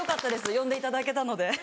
呼んでいただけたので。